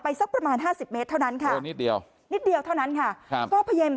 ไปสักประมาณ๕๐เมตรเท่านั้นค่ะนิดเดียวเท่านั้นค่ะก็พยายาม